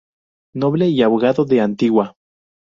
Noble y Abogado de Antigua.